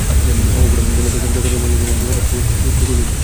অফুরান গোলে দর্শক যতই রোমাঞ্চিত হন, ডিফেন্ডারদের জন্য সেটা দৃষ্টিসুখকর কিছু নয়।